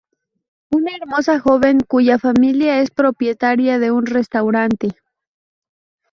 Una hermosa joven cuya familia es propietaria de un restaurante.